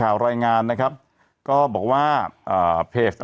สวัสดีครับคุณผู้ชม